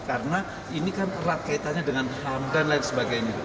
karena ini kan erat kaitannya dengan ham dan lain sebagainya